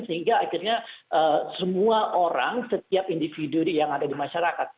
sehingga akhirnya semua orang setiap individu yang ada di masyarakat